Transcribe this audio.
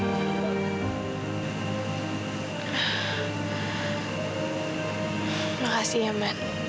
terima kasih ya men